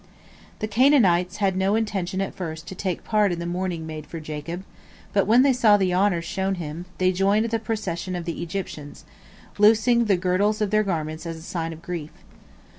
The Canaanites had no intention at first to take part in the mourning made for Jacob, but when they saw the honors shown him, they joined the procession of the Egyptians, loosing the girdles of their garments as a sign of grief.